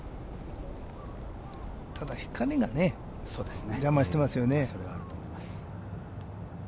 ただ光がね、邪魔していますよね。